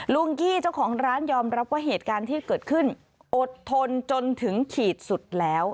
กี้เจ้าของร้านยอมรับว่าเหตุการณ์ที่เกิดขึ้นอดทนจนถึงขีดสุดแล้ว